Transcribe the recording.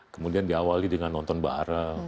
kemudian diawali dengan nonton bareng